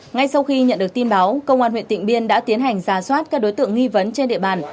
ngay sau khi nhận được tin báo công an huyện tịnh biên đã tiến hành giả soát các đối tượng nghi vấn trên địa bàn